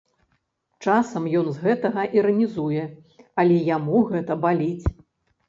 Часам ён з гэтага іранізуе, але яму гэта баліць.